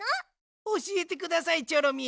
おしえてくださいチョロミー。